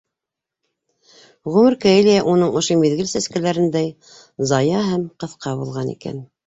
Ғүмеркәйе лә уның ошо миҙгел сәскәләрендәй зая һәм ҡыҫҡа булған икән...